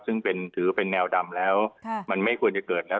ซึ่งถือเป็นแนวดำแล้วมันไม่ควรจะเกิดแล้ว